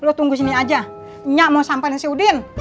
lo tunggu sini aja nya mau sampein si udin